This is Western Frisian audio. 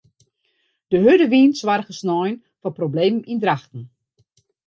De hurde wyn soarge sneon foar problemen yn Drachten.